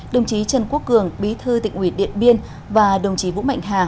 đồng chí trần quốc cường bí thư tỉnh ủy điện biên và đồng chí vũ mạnh hà